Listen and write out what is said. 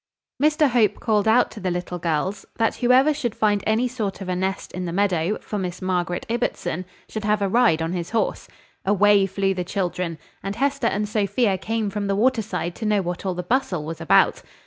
Mr Hope called out to the little girls, that whoever should find any sort of a nest in the meadow, for Miss Margaret Ibbotson, should have a ride on his horse. Away flew the children; and Hester and Sophia came from the water side to know what all the bustle was about.